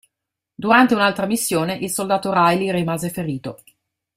Durante un'altra missione, il soldato Riley rimase ferito.